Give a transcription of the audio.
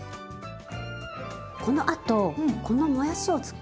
このあとこのもやしを使って。